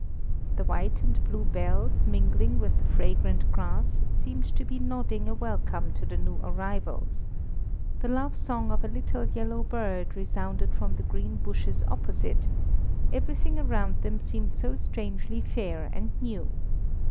The white and blue bells, mingling with the fragrant grass, seemed to be nodding a welcome to the new arrivals; the love song of a little yellow bird resounded from the green bushes opposite; everything around them seemed so strangely fair and new.